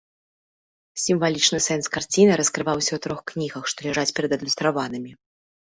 Сімвалічны сэнс карціны раскрываўся ў трох кнігах, што ляжаць перад адлюстраванымі.